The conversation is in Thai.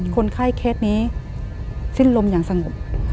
คนไข้เคสนี้สิ้นลมอย่างสงบ